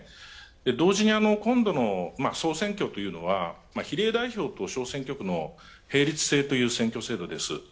同時に、今度の総選挙というのは比例代表と小選挙区の並立制という選挙制度です。